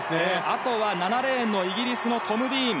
あとは、７レーンのイギリスのトム・ディーン。